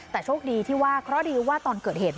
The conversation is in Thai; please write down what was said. แต่โชคดีที่ว่าเคราะห์ดีว่าตอนเกิดเหตุ